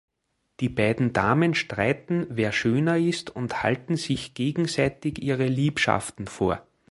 Die beiden Damen streiten, wer schöner ist, und halten sich gegenseitig ihre Liebschaften vor.